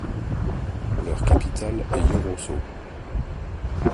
Leur capitale est Yorosso.